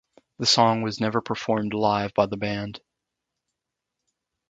The song was never performed live by the band.